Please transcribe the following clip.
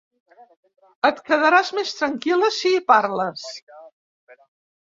Et quedaràs més tranquil·la si hi parles?